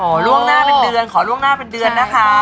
ล่วงหน้าเป็นเดือนขอล่วงหน้าเป็นเดือนนะคะ